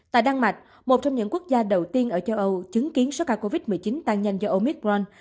tại đan mạch một trong những quốc gia đầu tiên ở châu âu chứng kiến số ca covid một mươi chín tăng nhanh do omicron